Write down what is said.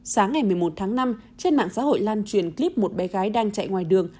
sáng ngày một mươi một tháng năm trên mạng xã hội lan truyền clip một bé gái đang chạy ngoài đường